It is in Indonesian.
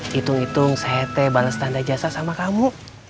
hitung hitung sete bales tanda jasa sama kamu